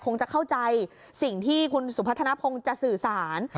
คงจะเข้าใจสิ่งที่คุณสุพัฒนภงจะสื่อสาร